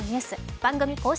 番組公式